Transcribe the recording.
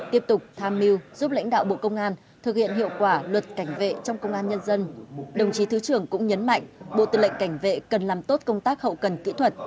tiếp tục tham mưu giúp lãnh đạo bộ công an thực hiện hiệu quả luật cảnh vệ trong công an nhân dân đồng chí thứ trưởng cũng nhấn mạnh bộ tư lệnh cảnh vệ cần làm tốt công tác hậu cần kỹ thuật